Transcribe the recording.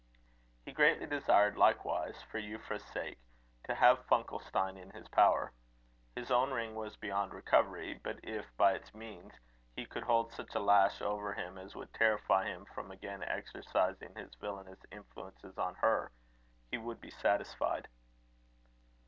He greatly desired, likewise, for Euphra's sake, to have Funkelstein in his power. His own ring was beyond recovery; but if, by its means, he could hold such a lash over him as would terrify him from again exercising his villanous influences on her, he would be satisfied.